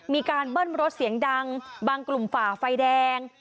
มีการเบิ้ลรถเสียงดังบางกลุ่มฝ่าไฟแดง